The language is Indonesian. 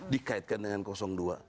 dikaitkan dengan dua